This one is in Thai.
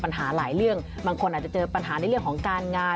ปัญหาหลายเรื่องบางคนอาจจะเจอปัญหาในเรื่องของการงาน